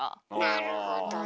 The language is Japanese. なるほどね。